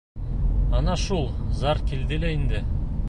Ана шул зар килде лә инде.